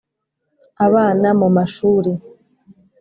abana mu mashuri.